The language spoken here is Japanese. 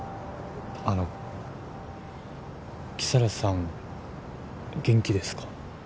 あの木皿さん元気ですか？